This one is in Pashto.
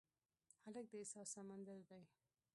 هلک د احساس سمندر دی.